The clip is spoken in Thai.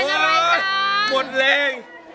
เป็นอะไรจั้น